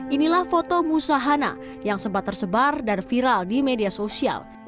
inilah foto musahana yang sempat tersebar dan viral di media sosial